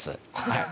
はい。